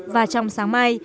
và trong sáng mai